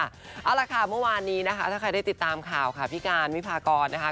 เอาละค่ะเมื่อวานนี้นะคะถ้าใครได้ติดตามข่าวค่ะพี่การวิพากรนะคะ